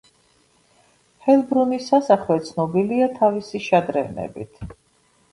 ჰელბრუნის სასახლე ცნობილია თავისი შადრევნებით.